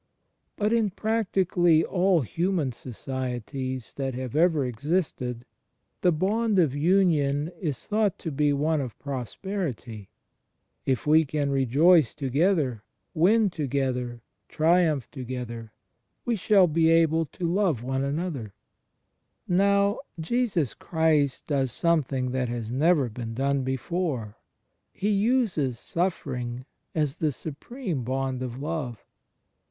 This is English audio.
But in practically all hiunan societies that have ever existed, the bond of union is thought to be one of prosperity. "If we can rejoice together, win together, triumph together, we shall be able to love one another." ^ Mark zii : 31. ' Lev. xiz : 18. ' John ziii : 35. 128 THE FRIENDSHIP OF CHRIST Now Jesus Christ does something that has never been done before. He uses suffering as the supreme bond of love.